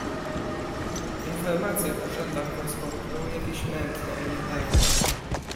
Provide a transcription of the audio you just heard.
Informacje w urzędach wojskowych były jakieś mętne i niepewne.